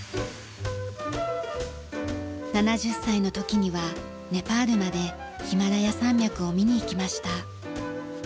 ７０歳の時にはネパールまでヒマラヤ山脈を見に行きました。